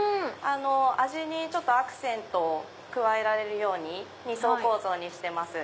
味にアクセントを加えられるように二層構造にしてます。